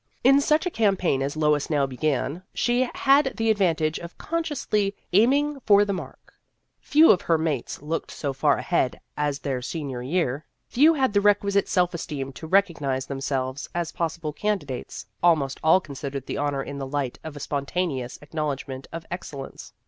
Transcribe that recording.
In such a campaign as Lois now began, she had the advantage of consciously aiming for the mark. Few of her mates looked so far ahead as their senior year ; few had 34 Vassar Studies the requisite self esteem to recognize themselves as possible candidates ; almost all considered the honor in the light of a spontaneous acknowledgment of excel lence.